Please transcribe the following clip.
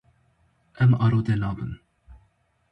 Em arode nabin.